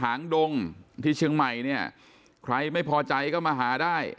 หางดงที่เชียงใหม่เนี่ยใครไม่พอใจก็มาหาได้